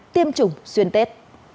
tiêm chủng xuyên tết